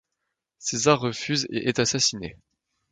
César refuse et est assassiné.